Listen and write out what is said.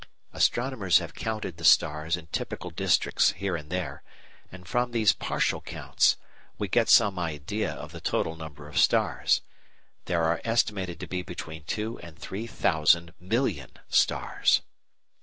Astronomers have counted the stars in typical districts here and there, and from these partial counts we get some idea of the total number of stars. There are estimated to be between two and three thousand million stars.